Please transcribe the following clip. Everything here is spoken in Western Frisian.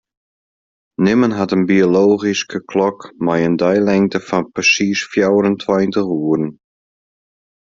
Nimmen hat in biologyske klok mei in deilingte fan persiis fjouwerentweintich oeren.